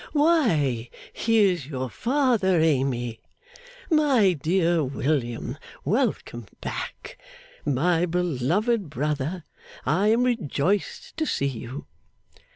Why, here's your father, Amy! My dear William, welcome back! My beloved brother, I am rejoiced to see you!